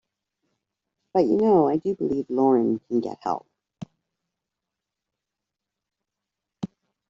But, you know, I do believe Lauryn can get help.